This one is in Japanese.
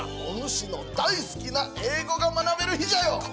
お主の大好きな英語が学べる日じゃよ！